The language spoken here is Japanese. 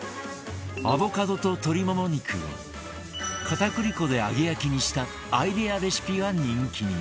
アボカドと鶏もも肉を片栗粉で揚げ焼きにしたアイデアレシピが人気に